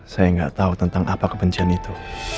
saya nggak tahu tentang apa kebencian itu